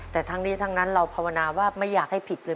แต่ทั้งนี้ทั้งนั้นเราภาวนาว่าไม่อยากให้ผิดเลย